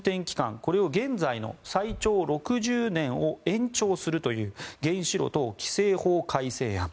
これを現在の最長６０年を延長するという原子炉等規制法改正案。